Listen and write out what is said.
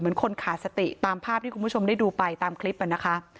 คนขาดสติตามภาพที่คุณผู้ชมได้ดูไปตามคลิปนะคะ